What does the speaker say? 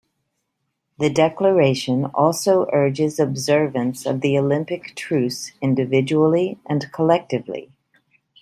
The Declaration also urges observance of the Olympic truce individually and collectively.